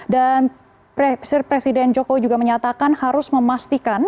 dan presiden jokowi juga menyatakan harus memastikan